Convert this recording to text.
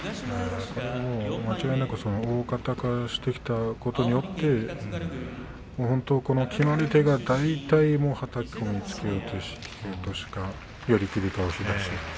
間違いなく大型化してきたことによって決まり手が大体はたき込み、引き落とし、寄り切りか押し出し。